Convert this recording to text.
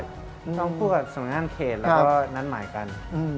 ต้องพูดกับสำนักงานเขตแล้วก็นัดหมายกัน